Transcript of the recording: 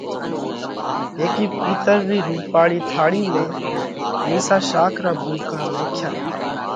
هيڪِي پِيتۯ رِي رُوپاۯِي ٿاۯِي ۾ نِيسا شاک را ڀُوڪا نوکيا